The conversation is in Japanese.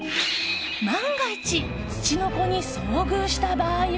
万が一つちのこに遭遇した場合は。